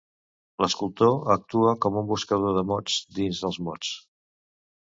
L'escultor actua com un buscador de mots dins dels mots.